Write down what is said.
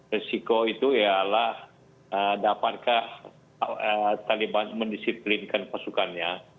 risiko itu adalah dapatkah taliban mendisiplinkan pasukannya